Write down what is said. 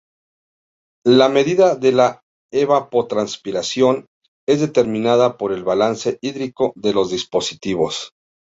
La medida de la evapotranspiración es determinada por el balance hídrico de los dispositivos.